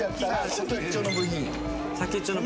先っちょの部品。